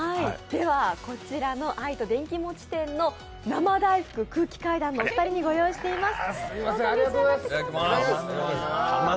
では、こちらのあいと電氣餅店の生大福、空気階段のお二人に用意しています。